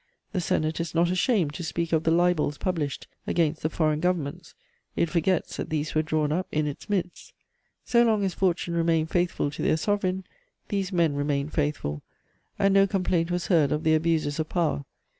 The Senate is not ashamed to speak of the libels published against the foreign governments: it forgets that these were drawn up in its midst. So long as fortune remained faithful to their Sovereign, these men remained faithful, and no complaint was heard of the abuses of power.